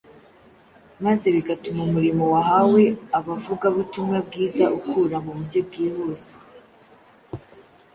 maze bigatuma umurimo wahawe abavugabutumwa bwiza ukura mu buryo bwihuse.